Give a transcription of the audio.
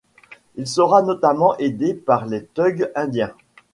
Il sera notamment aidé par les Thugs indiens.